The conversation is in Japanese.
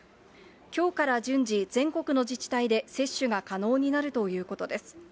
きょうから順次、全国の自治体で接種が可能になるということです。